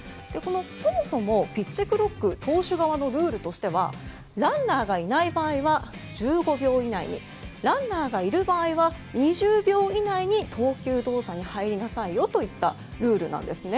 そもそも、ピッチクロック投手側のルールとしてはランナーがいない場合は１５秒以内にランナーがいる場合は２０秒以内に投球動作に入りなさいよといったルールなんですね。